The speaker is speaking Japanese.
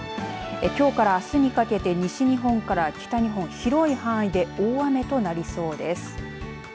きょうからあすにかけて西日本から北日本広い範囲で大雨となりそうです。